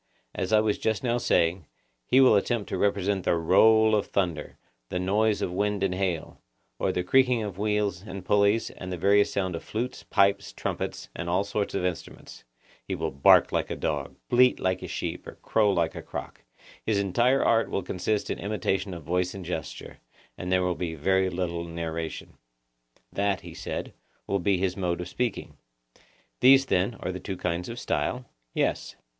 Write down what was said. As I was just now saying, he will attempt to represent the roll of thunder, the noise of wind and hail, or the creaking of wheels, and pulleys, and the various sounds of flutes, pipes, trumpets, and all sorts of instruments: he will bark like a dog, bleat like a sheep, or crow like a cock; his entire art will consist in imitation of voice and gesture, and there will be very little narration. That, he said, will be his mode of speaking. These, then, are the two kinds of style? Yes.